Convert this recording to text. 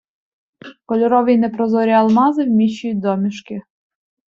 Кольорові й непрозорі алмази вміщують домішки